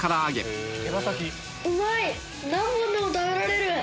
何本でも食べられる。